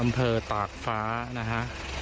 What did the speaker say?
อำเภอตากฟ้านะฮะ